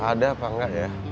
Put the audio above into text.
ada apa enggak ya